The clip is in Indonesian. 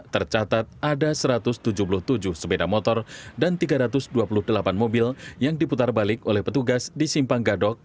tercatat ada satu ratus tujuh puluh tujuh sepeda motor dan tiga ratus dua puluh delapan mobil yang diputar balik oleh petugas di simpang gadok